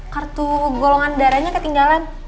kartu golongan darahnya ketinggalan